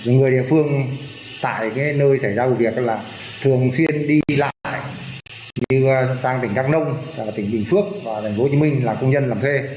người địa phương tại nơi xảy ra vụ việc thường xuyên đi lại như sang tỉnh các nông tỉnh bình phước thành phố hồ chí minh là công nhân làm thuê